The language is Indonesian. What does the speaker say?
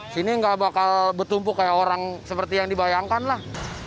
sini gak bakal bertumpuk kayak orang seperti yang dibayangkan lah